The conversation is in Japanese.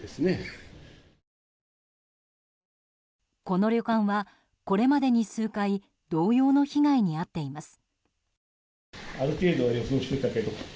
この旅館は、これまでに数回同様の被害に遭っています。